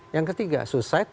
yang ketiga suicide